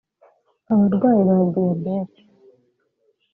abarwayi ba diyabete